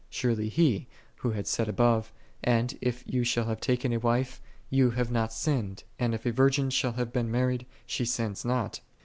Surely he, who had said above; "And, if thou shalt have taken a wife, thou hast not sinned; and, if a virgin shall have been married, she sinneth not."